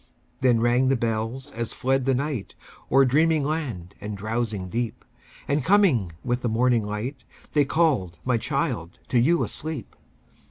Then rang the bells as fled the night O'er dreaming land and drowsing deep, And coming with the morning light, They called, my child, to you asleep.